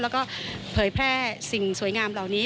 แล้วก็เผยแพร่สิ่งสวยงามเหล่านี้